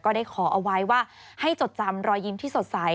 ได้ขอเอาไว้ว่าให้จดจำรอยยิ้มที่สดใส